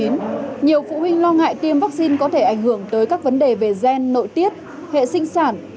nhiều phụ huynh lo ngại tiêm vaccine có thể ảnh hưởng tới các vấn đề về gen nội tiết hệ sinh sản